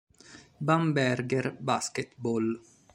Bamberger Basketball